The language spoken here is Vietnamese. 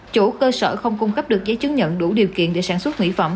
chủ cơ sở không cung cấp được giấy chứng nhận đủ điều kiện để sản xuất mỹ phẩm